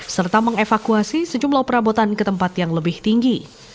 serta mengevakuasi sejumlah perabotan ke tempat yang lebih tinggi